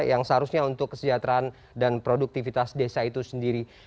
yang seharusnya untuk kesejahteraan dan produktivitas desa itu sendiri